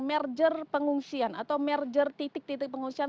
merger pengungsian atau merger titik titik pengungsian